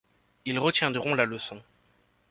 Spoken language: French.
Ils retiendront la leçon.